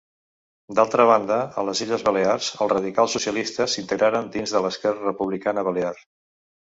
D'altra banda, a les Illes Balears, els radicals socialistes s'integraren dins l'Esquerra Republicana Balear.